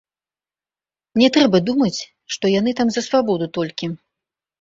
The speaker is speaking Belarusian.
Не трэба думаць, што яны там за свабоду толькі.